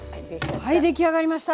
はい出来上がりました。